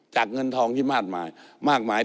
จากเงินทองที่มากมาย